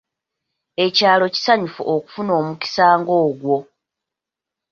Ekyalo kisanyufu okufuna omukisa nga ogwo.